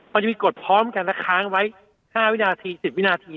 มันจะมีกฎพร้อมกันค้างไว้๕๑๐วินาที